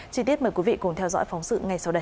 chí tiết mời quý vị cùng theo dõi phóng sự